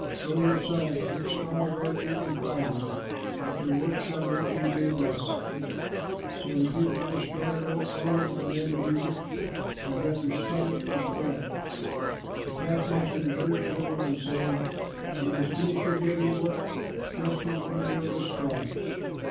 Go yourselves, get straw wherever you can find it; but your work shall not be made less.'" So the people were scattered over all the land of Egypt to gather stubble for straw. The taskmasters urged them on, saying, "You must finish your daily task just as when there was straw."